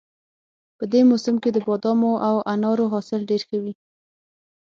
په دې موسم کې د بادامو او انارو حاصل ډېر ښه وي